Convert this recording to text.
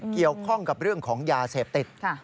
เกี่ยวข้องกับเรื่องของยาเสพติด